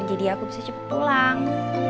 jadi aku bisa cepet pulang